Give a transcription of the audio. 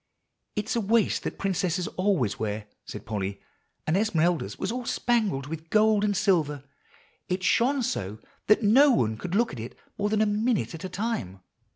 "It's a waist that princesses always wear," said Polly; "and Esmeralda's was all spangled with gold and silver. It shone so that no one could look at it more than a minute at a time.